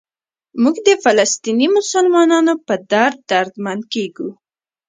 موږ د فلسطیني مسلمانانو په درد دردمند کېږو.